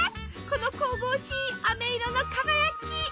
この神々しいあめ色の輝き。